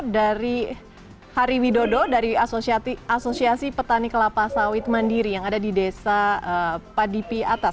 dari hari widodo dari asosiasi petani kelapa sawit mandiri yang ada di desa padipi atas